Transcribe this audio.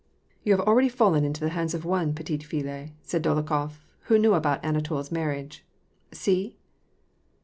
"You have already fallen into the hands of one petite ftUe" said Dolokhof, who knew about Anatol's marriage. " See